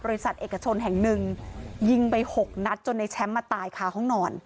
เอกชนแห่งหนึ่งยิงไปหกนัดจนในแชมป์มาตายคาห้องนอน